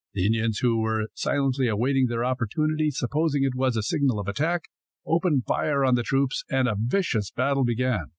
The Indians who were silently awaiting their opportunity, supposing it was the signal of attack, opened fire on the troops, and a vicious battle began.